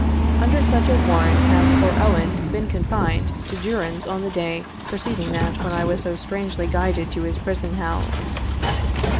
Under such a warrant had poor Owen been confined to durance on the day preceding that when I was so strangely guided to his prison house.